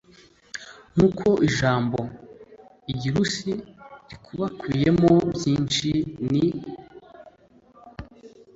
nk'uko ijambo « igirursi » rikubakubiye mo byinshi, ni